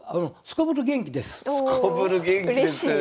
すこぶる元気ですよね